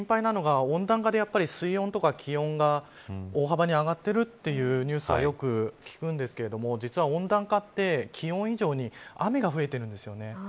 あと心配なのが温暖化で水温や気温が大幅に上がっているというニュースをよく聞くんですが実は温暖化って気温以上に雨が増えてるんです。